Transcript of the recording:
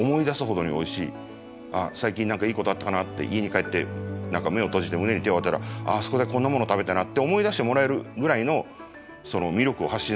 ああ最近何かいいことあったかなって家に帰って何か目を閉じて胸に手を置いたらあそこでこんなものを食べたなって思い出してもらえるぐらいの魅力を発信することだってできるはず。